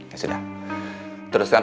ya sudah teruskan